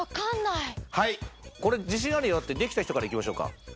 これ自信あるよってできた人からいきましょうか。